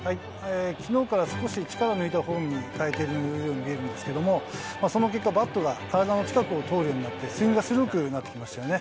きのうから少し力を抜いたフォームに変えているように見えるんですけども、その結果、バットが体の近くを通るようになって、スイングが鋭くなってきましたよね。